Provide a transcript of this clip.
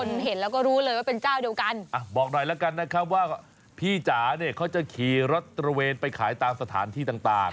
เห็นแล้วก็รู้เลยว่าเป็นเจ้าเดียวกันอ่ะบอกหน่อยแล้วกันนะครับว่าพี่จ๋าเนี่ยเขาจะขี่รถตระเวนไปขายตามสถานที่ต่างต่าง